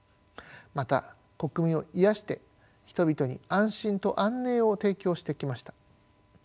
また国民を癒やして人々に安心と安寧を提供してきました。